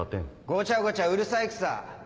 ごちゃごちゃうるさいくさ。